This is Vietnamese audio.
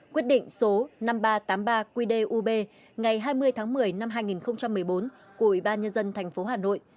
quyết định số năm nghìn ba trăm tám mươi ba qdub ngày hai mươi tháng một mươi năm hai nghìn một mươi bốn của ủy ban nhân dân tp hà nội